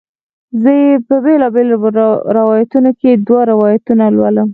زه یې په بیلابیلو روایتونو کې دوه روایتونه لولم.